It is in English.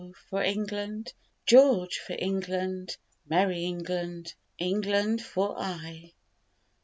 for England! George for England! Merry England! England for aye!